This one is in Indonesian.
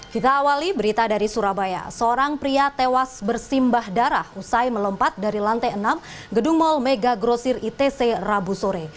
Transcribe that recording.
kita awali berita dari surabaya seorang pria tewas bersimbah darah usai melompat dari lantai enam gedung mall mega grosir itc rabu sore